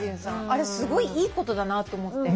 あれすごいいいことだなと思って。